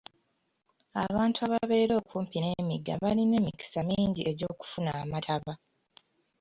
Abantu ababeera okumpi n'emigga balina emikisa mingi egy'okufuna amataba.